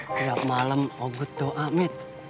setiap malem obut tuh amit